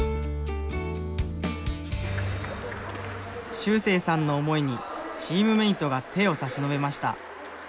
秀星さんの思いにチームメートが手を差し伸べました。